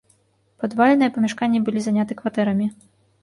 Падвальныя памяшканні былі заняты кватэрамі.